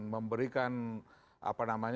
memberikan apa namanya